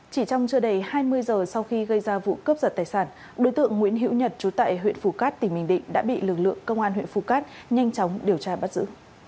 chỉ trong trưa đầy hai mươi giờ sau khi gây ra vụ cướp giật tài sản đối tượng nguyễn hiễu nhật trú tại huyện phù cát tỉnh bình định đã bị lực lượng công an huyện phù cát nhanh chóng điều tra bắt giữ